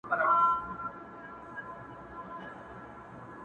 دا خو بيا هيڅ نه مـنـــم چـــي دار راتــــه وســــــاتـــــــه!